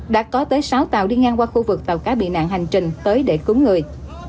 đã có tới sáu tàu đi ngang qua khu vực tàu cá bị nạn hành trình tới để cứu người